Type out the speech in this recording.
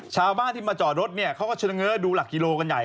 ชาวบ้านที่มาจอดรถเนี่ยเขาก็เฉง้อดูหลักกิโลกันใหญ่